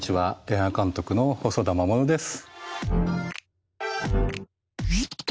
映画監督の細田守です。